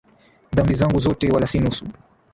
Dhambi zangu zote wala si nusu